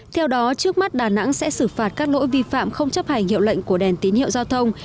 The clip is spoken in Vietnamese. theo đó trước mắt đà nẵng sẽ xử phạt các lỗi vi phạm không chấp hành hiệu lệnh của đèn tín hiệu giao thông